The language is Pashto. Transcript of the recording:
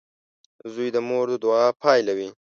• زوی د مور د دعا پایله وي.